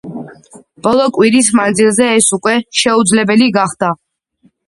ბოლო კვირის მანძილზე ეს უკვე შეუძლებელი გახდა.